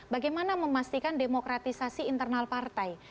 bagaimana memastikan demokratisasi internal partai